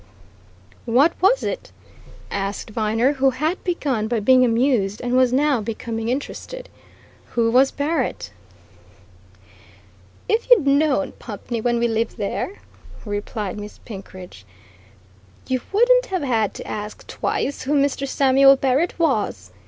"What was it?" asked Viner, who had begun by being amused and was now becoming interested. "Who was Barrett?" "If you'd known Pumpney when we lived there," replied Miss Penkridge, "you wouldn't have had to ask twice who Mr. Samuel Barrett was.